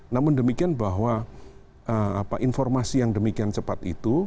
namun demikian bahwa informasi yang demikian cepat itu